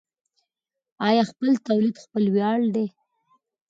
آیا خپل تولید خپل ویاړ دی؟